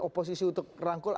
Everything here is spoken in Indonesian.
oposisi untuk rangkul